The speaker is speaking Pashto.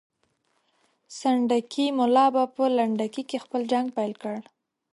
سنډکي ملا به په لنډکي کې جنګ پیل کړي.